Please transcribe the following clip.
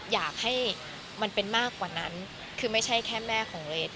อยากให้มันเป็นมากกว่านั้นคือไม่ใช่แค่แม่ของเรท